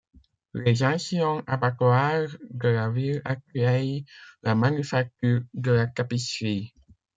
Les anciens abattoirs de la ville accueillent la manufacture de la tapisserie.